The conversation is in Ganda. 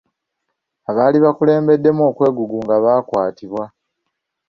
Abaali bakulembeddemu okwegugunga baakwatibwa.